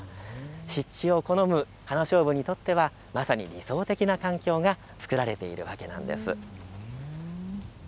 湿地を好むハナショウブにとってはまさに理想的な環境が作られているわけなんです。